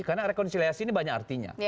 karena rekonsiliasi ini banyak artinya